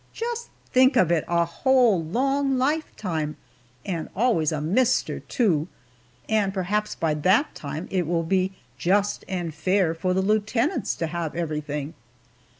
Just think of it a whole long lifetime and always a Mister, too and perhaps by that time it will be "just and fair" for the lieutenants to have everything!